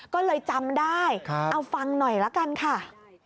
ก็เลยจำได้เอาฟังหน่อยละกันค่ะ